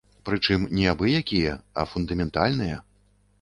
Прычым не абы-якія, а фундаментальныя!